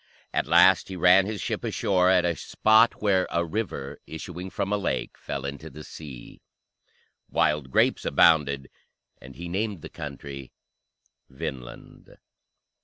At last he ran his ship ashore at a spot where "a river, issuing from a lake, fell into the sea." Wild grapes abounded, and he named the country Vinland.